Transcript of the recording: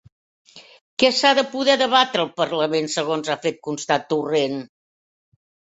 Què s'ha de poder debatre al parlament segons ha fet constar Torrent?